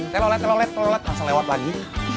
telolet telolet telolet langsung lewat lagi